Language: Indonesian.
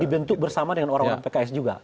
dibentuk bersama dengan orang orang pks juga